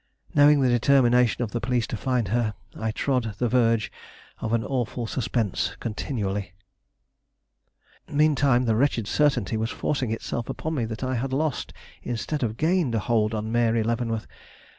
Knowing the determination of the police to find her, I trod the verge of an awful suspense continually. Meantime the wretched certainty was forcing itself upon me that I had lost, instead of gained, a hold on Mary Leavenworth.